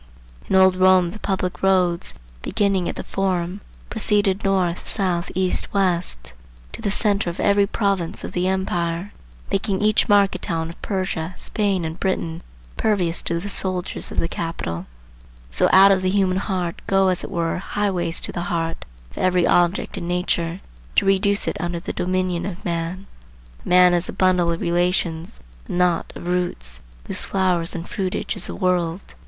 In old Rome the public roads beginning at the Forum proceeded north, south, east, west, to the centre of every province of the empire, making each market town of Persia, Spain and Britain pervious to the soldiers of the capital: so out of the human heart go as it were highways to the heart of every object in nature, to reduce it under the dominion of man. A man is a bundle of relations, a knot of roots, whose flower and fruitage is the world.